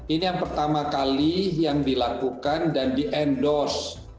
ini yang pertama kali yang dilakukan dan di endorse